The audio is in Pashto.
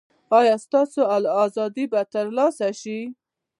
ایا ستاسو ازادي به ترلاسه شي؟